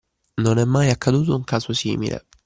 Non è mai accaduto un caso simile!